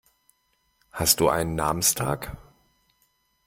Hast du einen Namenstag?